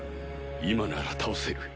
今なら倒せる。